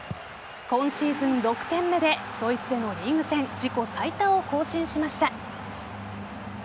今シーズン６点目でドイツでのリーグ戦自己最多を更新しました。